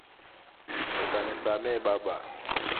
Utanisamehe baba,